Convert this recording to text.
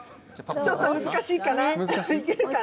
ちょっと難しいかな。